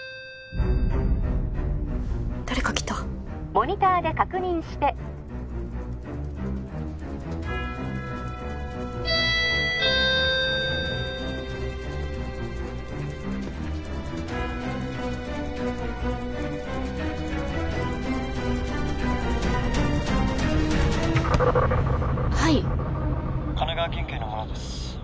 誰か来た☎モニターで確認してはい神奈川県警の者です